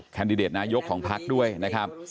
แดดิเดตนายกของพักด้วยนะครับ